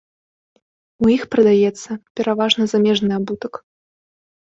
У іх прадаецца пераважна замежны абутак.